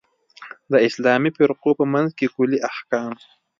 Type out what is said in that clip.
د اسلامي فرقو په منځ کې کُلي احکام.